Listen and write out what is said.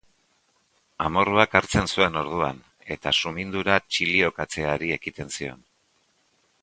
Amorruak hartzen zuen orduan, eta sumindura txiliokatzeari ekiten zion.